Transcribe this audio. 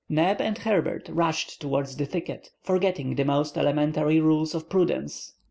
Neb and Herbert rushed towards the thicket, forgetting the most elementary rules of prudence.